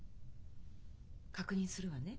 確認するわね。